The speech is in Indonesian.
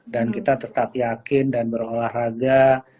kita tetap yakin dan berolahraga